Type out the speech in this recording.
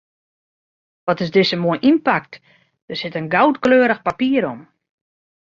Wat is dizze moai ynpakt, der sit in goudkleurich papier om.